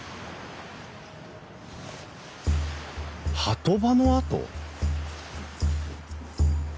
波止場の跡？